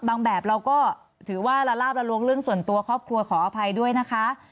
แบบเราก็ถือว่าละลาบละล้วงเรื่องส่วนตัวครอบครัวขออภัยด้วยนะคะ